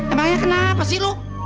emangnya kenapa sih lu